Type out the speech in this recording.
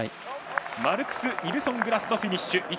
マルクス・ニルソングラストフィニッシュ。